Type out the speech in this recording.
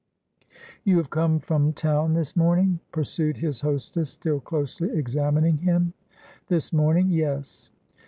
"You have come from town this morning?" pursued his hostess, still closely examining him. "This morning, yes."